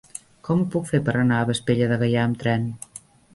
Com ho puc fer per anar a Vespella de Gaià amb tren?